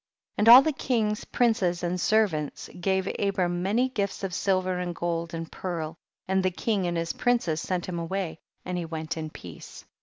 40. And all the kings, princes and servants gave Abram many gifts of silver and gold and pearl, and the king and his princes sent him away, and he went in peace.